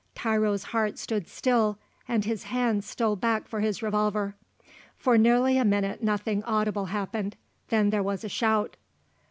Tiro's heart stood still, and his hand stole back for his revolver. For nearly a minute nothing audible happened; then there was a shout.